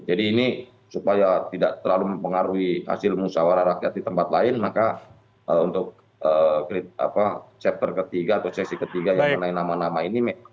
jadi ini supaya tidak terlalu mengaruhi hasil musyawarah rakyat di tempat lain maka untuk chapter ketiga atau sesi ketiga yang namanya nama nama ini